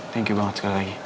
thank you banget sekali lagi